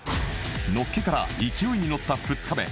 のっけから勢いに乗った２日目